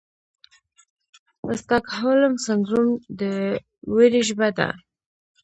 سټاکهولم سنډروم د ویرې ژبه ده.